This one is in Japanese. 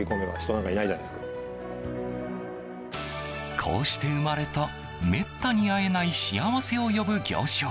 こうして生まれためったに会えない幸せを呼ぶ行商。